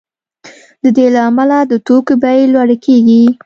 د دې له امله د توکو بیې لوړې کیږي